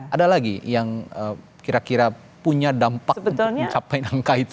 ada lagi yang kira kira punya dampak untuk mencapai angka itu